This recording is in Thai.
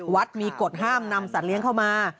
วัดมีกฎห้ามนำสัตว์เลี้ยงเข้ามา